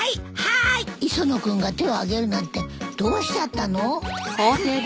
磯野君が手を挙げるなんてどうしちゃったの？